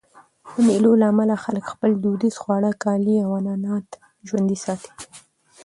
د مېلو له امله خلک خپل دودیز خواړه، کالي او عنعنات ژوندي ساتي.